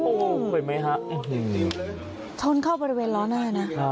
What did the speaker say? อู้อู้เข็นไหมครับชนเข้าบริเวณร้อน่ะเนี้ยนะ